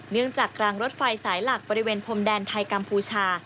กลางรถไฟสายหลักบริเวณพรมแดนไทยกัมพูชา